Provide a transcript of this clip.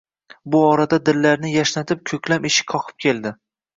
Bu orada dillarni yashnatib ko`klam eshik qoqib keldi